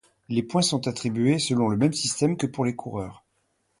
Les points sont attribués selon le même système que pour les coureurs.